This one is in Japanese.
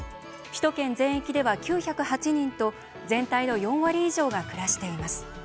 首都圏全域では９０８人と全体の４割以上が暮らしています。